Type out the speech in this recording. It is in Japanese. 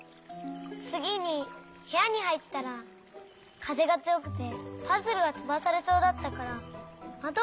つぎにへやにはいったらかぜがつよくてパズルがとばされそうだったからまどをしめようとしたの。